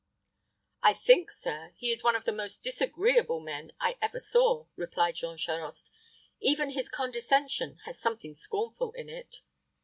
"I think, sir, he is one of the most disagreeable men I ever saw," replied Jean Charost. "Even his condescension has something scornful in it."